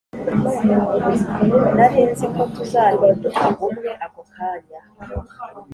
nari nzi ko tuzahinduka umwe ako kanya